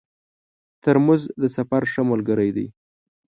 ترموز د سفر ښه ملګری دی.